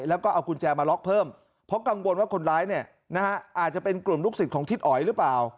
แล้วก็เอากุญแจมาล็อกเพิ่มเพราะกังวลว่าคนร้ายเนี่ยนะฮะอาจจะเป็นกลุ่มลูกศิษย์ของทิศอ๋อยหรือเปล่า